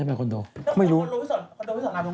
จากธนาคารกรุงเทพฯ